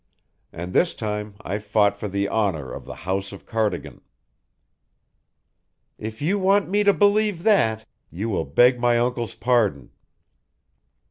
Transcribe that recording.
And this time I fought for the honour of the House of Cardigan." "If you want me to believe that, you will beg my uncle's pardon."